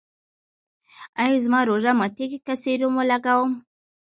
ایا زما روژه ماتیږي که سیروم ولګوم؟